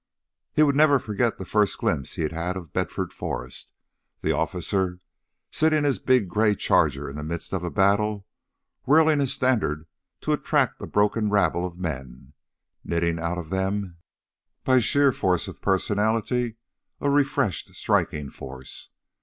He would never forget the first glimpse he'd had of Bedford Forrest the officer sitting his big gray charger in the midst of a battle, whirling his standard to attract a broken rabble of men, knitting out of them, by sheer force of personality, a refreshed, striking force.